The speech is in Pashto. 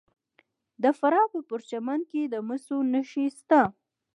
د فراه په پرچمن کې د مسو نښې شته.